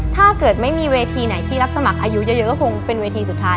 ถ้าเกิดไม่มีเวทีไหนที่รับสมัครอายุเยอะก็คงเป็นเวทีสุดท้าย